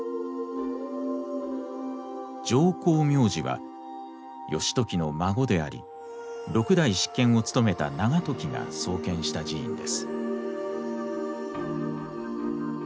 浄光明寺は義時の孫であり六代執権を務めた長時が創建した寺院です。